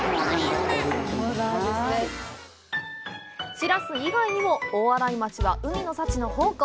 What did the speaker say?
シラス以外にも大洗町は海の幸の宝庫。